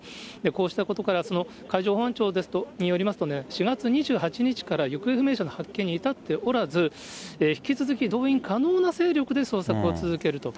こうしたことから、海上保安庁によりますと、４月２８日から行方不明者の発見に至っておらず、引き続き動員可能な勢力で捜索を続けると。